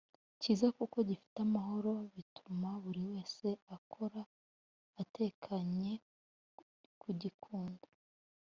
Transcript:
kiza kuko gifite amahoro, bituma buri wese akora atekanye. kugikunda